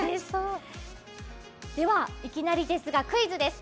では、いきなりですが、クイズです。